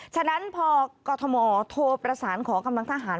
ฉะนั้นพอกรทมโทรประสานขอกำลังทหาร